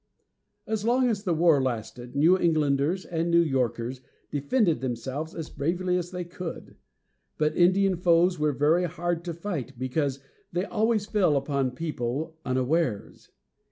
As long as the war lasted, New Englanders and New Yorkers defended themselves as bravely as they could. But Indian foes were very hard to fight, because they always fell upon people unawares.